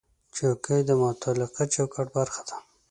چوکۍ د متعلقه چوکاټ برخه ده.